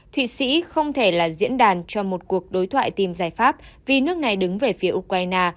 thụy sĩ không thể là diễn đàn cho một cuộc đối thoại tìm giải pháp vì nước này đứng về phía ukraine